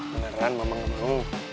beneran mama gak mau